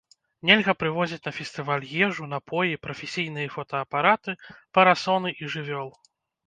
Нельга прывозіць на фестываль ежу, напоі, прафесійныя фотаапараты, парасоны і жывёл.